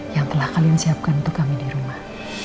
yang telah kalian siapkan untuk kami di rumah